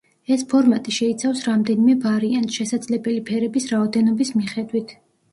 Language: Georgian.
ეს ფორმატი შეიცავს რამდენიმე ვარიანტს, შესაძლებელი ფერების რაოდენობის მიხედვით.